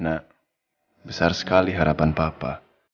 nah besar sekali harapan papa